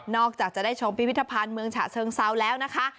จากจะได้ชมพิพิธภัณฑ์เมืองฉะเชิงเซาแล้วนะคะ